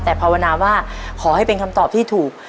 แต่ภาวนาว่าขอให้เป็นคำตอบที่ถูก